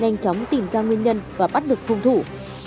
nhanh chóng tìm ra nguyên nhân và bắt được hung thủ